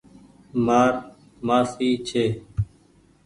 مآر مآسي ڇي۔